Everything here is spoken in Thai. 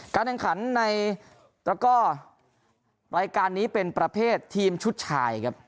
การแข่งขันในตระก้อรายการนี้เป็นประเภททีมชุดชายครับ